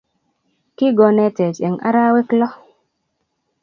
Kigonetech eng arawek loo